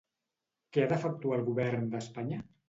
Què ha d'efectuar el govern d'Espanya?